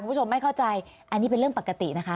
คุณผู้ชมไม่เข้าใจอันนี้เป็นเรื่องปกตินะคะ